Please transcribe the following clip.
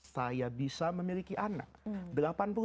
saya bisa memiliki anak